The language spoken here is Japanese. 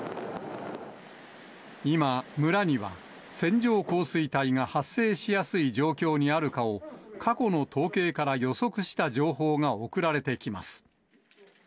今、村には線状降水帯が発生しやすい状況にあるかを、過去の統計から予測した情報が送られてきます。